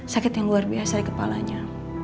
sakit yang luar biasa di kepalanya